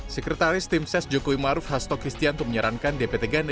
sekretaris tim ses jokowi ma'ruf hastog histianto menyarankan dpt ganda